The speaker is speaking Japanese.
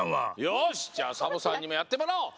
よしじゃあサボさんにもやってもらおう。